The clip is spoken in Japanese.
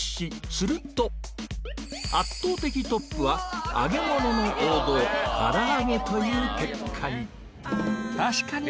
すると圧倒的トップは揚げ物の王道からあげという結果に確かに！